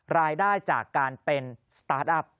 รายได้จากการเป็นสตาร์ทอัพ